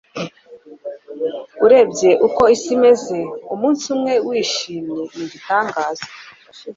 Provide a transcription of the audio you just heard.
urebye uko isi imeze, umunsi umwe wishimye ni igitangaza